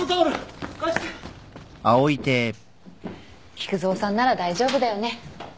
菊蔵さんなら大丈夫だよね。